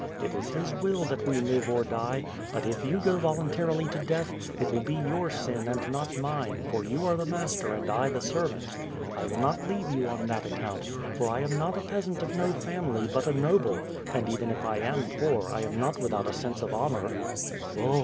It is His Will that we live or die; but if you go voluntarily to death, it will be your sin and not mine, for you are the master and 1 the servant. I will not leave you on that account, for I am not a peasant of no family, hut a noble; and even if 1 am poor, I am not without a sense of honor." "Oh!